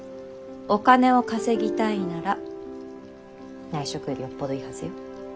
お金を稼ぎたいなら内職よりよっぽどいいはずよ。